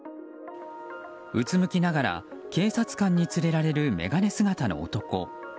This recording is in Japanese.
うつむきながら警察官に連れられる眼鏡姿の男。